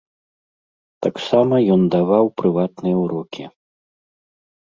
Таксама ён даваў прыватныя ўрокі.